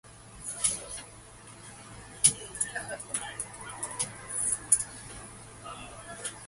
The creature exits the vents and kills two crewmen.